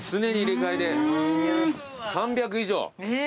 ３００以上。